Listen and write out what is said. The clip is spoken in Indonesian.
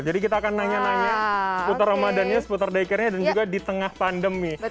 jadi kita akan nanya nanya seputar ramadannya seputar daycarenya dan juga di tengah pandemi